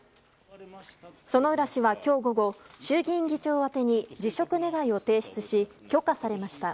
薗浦氏は今日午後衆議院議長宛てに辞職願を提出し、許可されました。